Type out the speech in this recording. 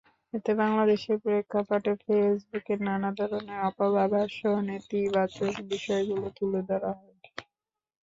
এতে বাংলাদেশের প্রেক্ষাপটে ফেসবুকের নানা ধরনের অপব্যবহারসহ নেতিবাচক বিষয়গুলো তুলে ধরা হয়।